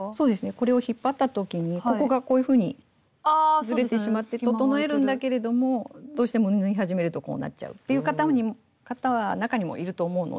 これを引っ張った時にここがこういうふうにズレてしまって整えるんだけれどもどうしても縫い始めるとこうなっちゃうっていう方中にもいると思うので。